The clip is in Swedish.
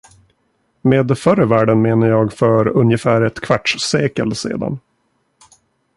Med förr i världen menar jag för ungefär ett kvartssekel sedan.